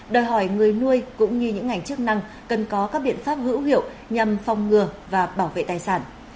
đòi hỏi người nuôi cũng như những ngành chức năng cần có các biện pháp hữu hiệu nhằm phong ngừa và bảo vệ tài sản